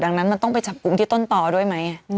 ดังนั้นมันต้องไปจับกลุ่มที่ต้นต่อด้วยไหม